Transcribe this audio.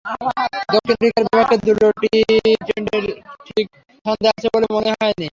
দক্ষিণ আফ্রিকার বিপক্ষে দুটো টি-টোয়েন্টিতেও ঠিক ছন্দে আছেন বলে মনে হয়নি।